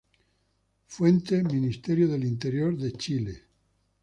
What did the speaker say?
Fuente: Ministerio del Interior de Chile